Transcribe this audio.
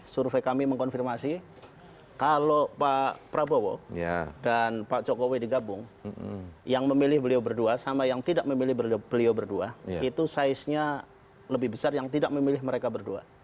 survei kami mengkonfirmasi kalau pak prabowo dan pak jokowi digabung yang memilih beliau berdua sama yang tidak memilih beliau berdua itu size nya lebih besar yang tidak memilih mereka berdua